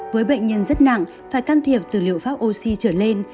với bệnh nhân rất nặng phải can thiệp từ liệu pháp oxy trở lên